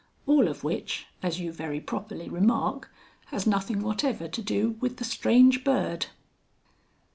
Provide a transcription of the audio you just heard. (All of which, as you very properly remark, has nothing whatever to do with the Strange Bird.)